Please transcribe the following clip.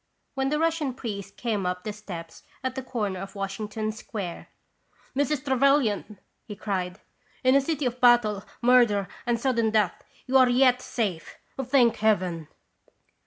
" when the Russian priest came up the steps at the corner of Washington Square. " Mrs. Trevelyan !" he cried. " In a city of battle, murder, and sudden death, you are yet safe, thank Heaven